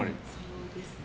そうですね。